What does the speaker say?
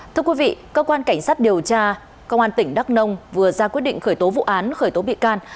thưa quý vị cơ quan cảnh sát điều tra công an tỉnh đắk nông vừa ra quyết định khởi tố vụ án khởi tố bị can